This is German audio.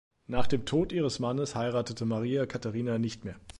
Nach dem Tod ihres Mannes heiratete Maria Katharina nicht mehr.